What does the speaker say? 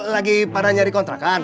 lagi pada nyari kontrakan